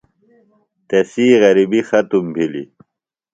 تسی غرِبیۡ ختم بِھلیۡ۔